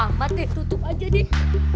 awal amat deh tutup aja deh